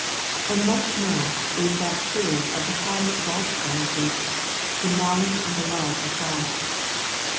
And much more is that true of the highest of all the sciences, the knowledge and the love of God.